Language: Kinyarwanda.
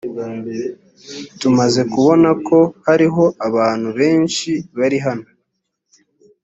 tumaze kubona ko hariho abantu benshi bari hano